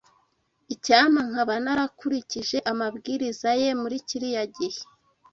[S] Icyampa nkaba narakurikije amabwiriza ye muri kiriya gihe